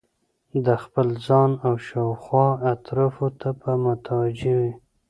د خپل ځان او شاوخوا اطرافو ته به متوجه وي